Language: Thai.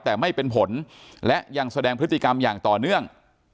แต่ไม่เป็นผลและยังแสดงพฤติกรรมอย่างต่อเนื่อง